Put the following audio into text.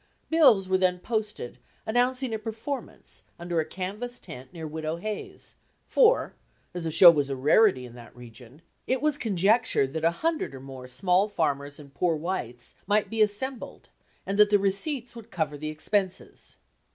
Bills were then posted announcing a performance under a canvas tent near Widow Hayes's, for, as a show was a rarity in that region, it was conjectured that a hundred or more small farmers and "poor whites" might be assembled and that the receipts would cover the expenses.